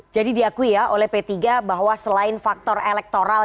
jadi diakui ya oleh p tiga bahwa selain faktor elektoral